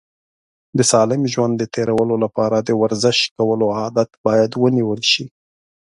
د سالم ژوند د تېرولو لپاره د ورزش کولو عادت باید ونیول شي.